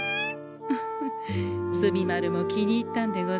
ふふ墨丸も気に入ったんでござんすね。